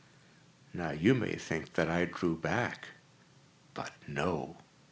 Now you may think that I drew back—but no.